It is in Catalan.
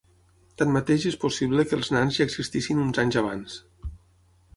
Tanmateix és possible que els Nans ja existissin uns anys abans.